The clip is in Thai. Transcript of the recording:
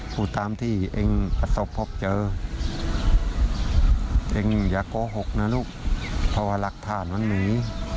พูดตามที่เองประสบพบเจอเองอย่าโกหกนะลูกเพราะว่าหลักฐานมันหนี